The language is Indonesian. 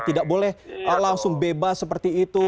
tidak boleh langsung bebas seperti itu